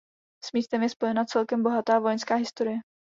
S místem je spojena celkem bohatá vojenská historie.